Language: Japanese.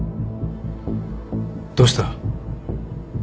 どうした？